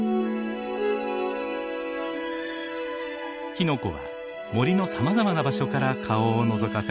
キノコは森のさまざまな場所から顔をのぞかせます。